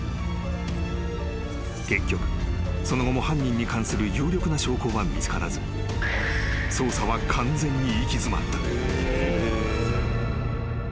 ［結局その後も犯人に関する有力な証拠は見つからず捜査は完全に行き詰まった］